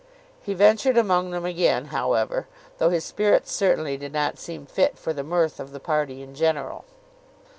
He ventured among them again, however, though his spirits certainly did not seem fit for the mirth of the party in general.